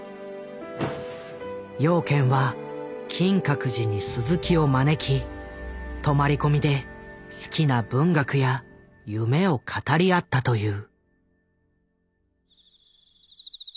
養賢は金閣寺に鈴木を招き泊まり込みで好きな文学や夢を語り合ったという。